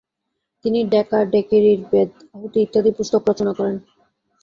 তিনি ‘’ডেকা-ডেকেরীর বেদ, আহুতি ইত্যাদি পুস্তক রচনা করেন।